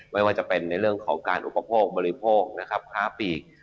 ไม่ว่าจะเป็นในเรื่องของการอุปโภคบริโภคนะครับค้าปีก